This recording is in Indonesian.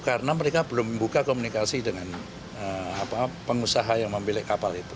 karena mereka belum membuka komunikasi dengan pengusaha yang memilih kapal itu